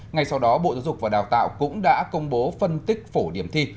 ngay sau đó bộ giáo dục và đào tạo cũng đã công bố phân tích phổ điểm thi